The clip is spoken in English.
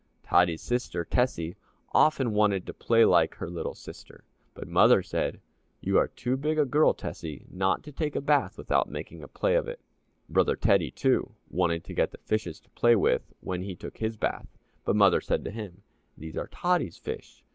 Tottie's sister Tessie often wanted to play like her little sister, but Mother said, "You are too big a girl, Tessie, not to take your bath without making a play of it." Brother Teddy, too, wanted to get the fishes to play with when he took his bath, but Mother said to him, "These are Tottie's fish.